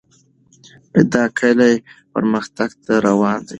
دا کلی پرمختګ ته روان دی.